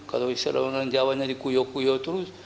kalau istilah orang jawa jadi kuyuk kuyuk terus